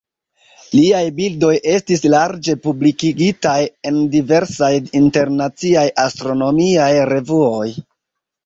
Liaj bildoj estis larĝe publikigitaj en diversaj internaciaj astronomiaj revuoj.